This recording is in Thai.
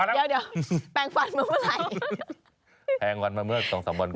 เดี๋ยวแปรงฟันเมื่อเมื่อราย